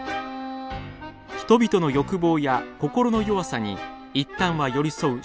人々の欲望や心の弱さに一旦は寄り添う